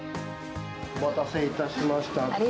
お待たせいたしました。